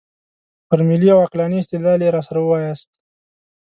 پر ملي او عقلاني استدلال یې راسره وایاست.